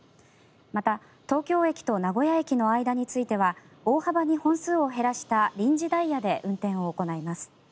また、東京駅と名古屋駅の間については大幅に本数を減らした臨時ダイヤで運転を行います。